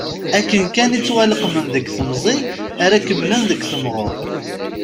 Akken kan i ttwaleqmen deg temẓi ara kemmlen deg temɣer.